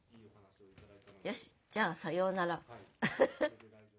よしじゃあさようなら。